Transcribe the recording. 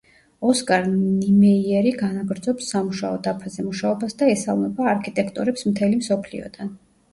ოსკარ ნიმეიერი განაგრძობს სამუშაო დაფაზე მუშაობას და ესალმება არქიტექტორებს მთელი მსოფლიოდან.